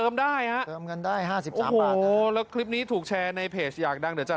ขอบคุณที่ใช้บริการค่ะ